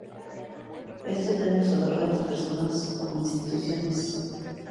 Este premio se otorga a las personas o instituciones